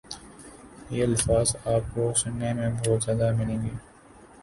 یہ الفاظ آپ کو سنے میں بہت زیادہ ملیں گے